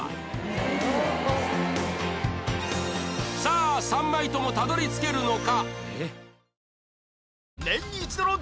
さあ３枚ともたどり着けるのか？